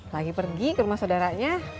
lagi pergi ke rumah saudaranya